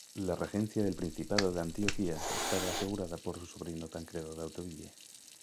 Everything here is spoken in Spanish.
La regencia del Principado de Antioquía estaba asegurada por su sobrino Tancredo de Hauteville.